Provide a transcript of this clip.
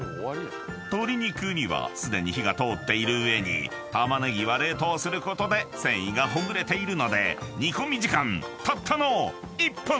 ［鶏肉にはすでに火が通っている上に玉ねぎは冷凍することで繊維がほぐれているので煮込み時間たったの１分！］